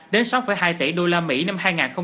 đến sáu hai tỷ usd năm hai nghìn một mươi bảy